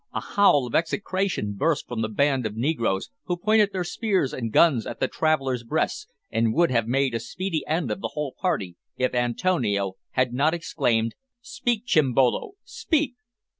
A howl of execration burst from the band of negroes, who pointed their spears and guns at the travellers' breasts, and would have made a speedy end of the whole party if Antonio had not exclaimed "Speak, Chimbolo, speak!"